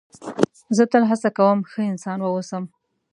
زه تل هڅه کوم ښه انسان و اوسم.